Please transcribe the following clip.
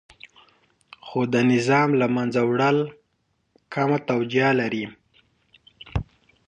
خو د نظام له منځه وړل کمه توجیه لري.